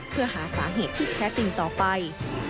เพื่อหาสาเหตุที่แท้จริงต่อไป